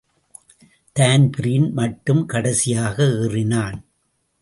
Dan Breen மட்டும் கடைசியாக ஏறினான்.